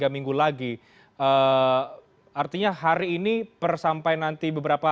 tiga minggu lagi artinya hari ini per sampai nanti beberapa